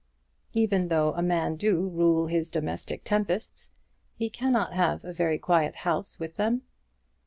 Even though a man do rule his domestic tempests, he cannot have a very quiet house with them.